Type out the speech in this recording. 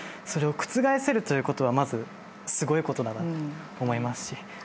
それを覆せるということがまずすごいことだなと思います。